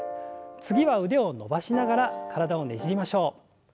次は腕を伸ばしながら体をねじりましょう。